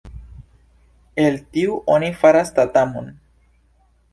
El tiu oni faras tatamon.